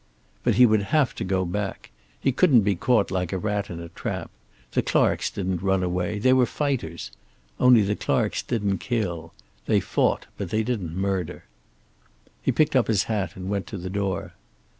But he would have to go back. He couldn't be caught like a rat in a trap. The Clarks didn't run away. They were fighters. Only the Clarks didn't kill. They fought, but they didn't murder. He picked up his hat and went to the door.